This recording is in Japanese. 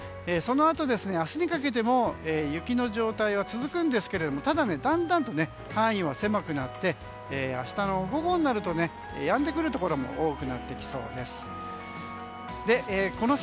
そのあと明日にかけても雪の状態は続くんですがただ、だんだんと範囲は狭くなって明日の午後になるとやんでくるところも多くなってきそうです。